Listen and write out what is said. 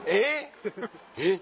えっ！